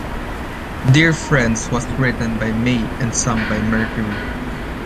"Dear Friends" was written by May and sung by Mercury.